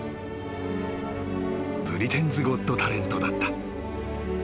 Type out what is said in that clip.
［『ブリテンズ・ゴット・タレント』だった］